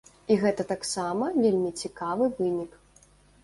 І гэта таксама вельмі цікавы вынік.